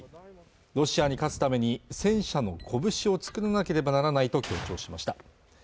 ロシアに勝つために戦車の拳を作らなければならないと強調しました